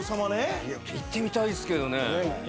・行ってみたいっすけどね。